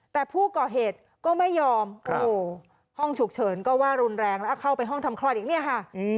แต่ผู้ก่อเหตุก็ไม่ยอมโอ้โหห้องฉุกเฉินก็ว่ารุนแรงแล้วเข้าไปห้องทำคลอดอีกเนี่ยค่ะ